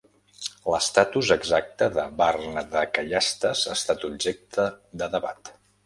L'estatus exacte de "varna" de Kayasthas ha estat objecte de debat.